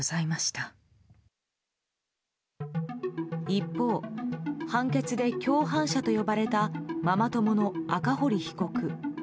一方、判決で共犯者と呼ばれたママ友の赤堀被告。